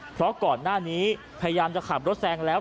เพราะก่อนหน้านี้พยายามจะขับรถแซงแล้ว